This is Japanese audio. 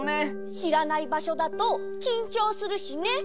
しらないばしょだときんちょうするしね。